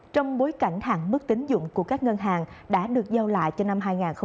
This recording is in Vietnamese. trong bối cảnh hạn mức tính dụng của các ngân hàng đã được giao lại cho năm hai nghìn hai mươi